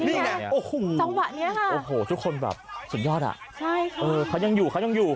จังหวะเนี้ยค่ะโอ้โหทุกคนแบบสุดยอดอ่ะใช่ค่ะเออเขายังอยู่เขายังอยู่